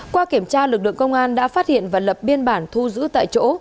qua kiểm tra lực lượng công an đã phát hiện và lập biên bản thu giữ tại chỗ